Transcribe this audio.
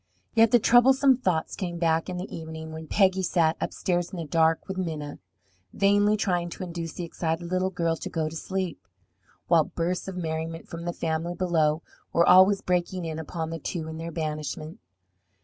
Yet the troublesome thoughts came back in the evening, when Peggy sat upstairs in the dark with Minna, vainly trying to induce the excited little girl to go to sleep, while bursts of merriment from the family below were always breaking in upon the two in their banishment.